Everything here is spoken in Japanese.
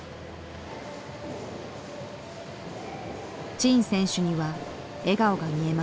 陳選手には笑顔が見えます。